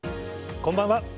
こんばんは。